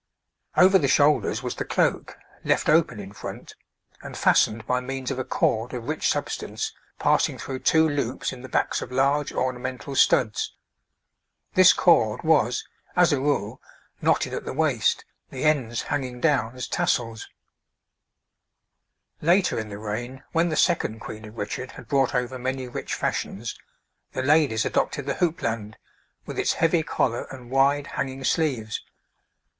Over the shoulders was the cloak, left open in front, and fastened by means of a cord of rich substance passing through two loops in the backs of large ornamental studs; this cord was, as a rule, knotted at the waist, the ends hanging down as tassels. [Illustration: {Two types of dress for women}] Later in the reign, when the second Queen of Richard had brought over many rich fashions, the ladies adopted the houppelande, with its heavy collar and wide, hanging sleeves.